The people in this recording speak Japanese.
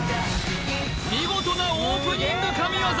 見事なオープニング神業！